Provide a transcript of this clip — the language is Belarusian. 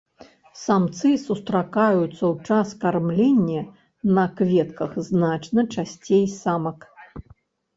Самцы сустракаюцца ў час кармлення на кветках значна часцей самак.